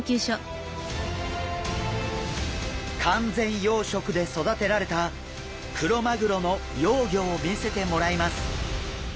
完全養殖で育てられたクロマグロの幼魚を見せてもらいます。